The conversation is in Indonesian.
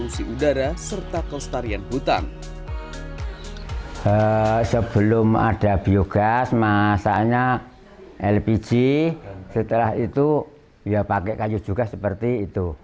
setelah itu pakai kayu juga seperti itu